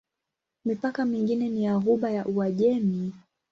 Mipaka mingine ni ya Ghuba ya Uajemi.